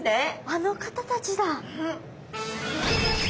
あの方たちだ。